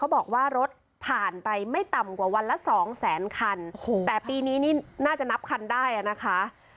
บอกว่ารถผ่านไปไม่ต่ำกว่าวันละสองแสนคันโอ้โหแต่ปีนี้นี่น่าจะนับคันได้อ่ะนะคะ